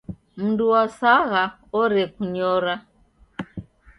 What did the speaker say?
Mndu wasagha orekunyora.